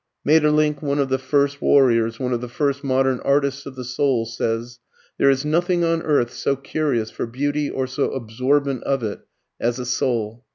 Maeterlinck, one of the first warriors, one of the first modern artists of the soul, says: "There is nothing on earth so curious for beauty or so absorbent of it, as a soul.